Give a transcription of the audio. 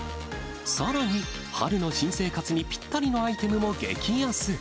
さらに、春の新生活にぴったりのアイテムも激安。